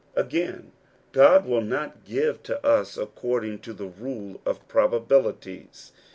Again, God will 7iot give to us according to the rule of probabilities.